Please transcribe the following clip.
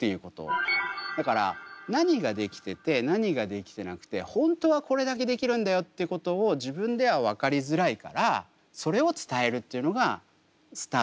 だから何ができてて何ができてなくて本当はこれだけできるんだよっていうことを自分では分かりづらいからそれを伝えるっていうのがスタートだったかなと思います。